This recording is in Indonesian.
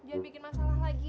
jangan bikin masalah lagi